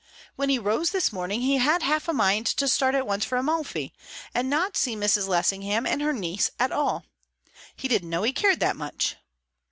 When he rose this morning, he had half a mind to start at once for Amalfi, and not see Mrs. Lessingham and her niece at all; he "didn't know that he cared much."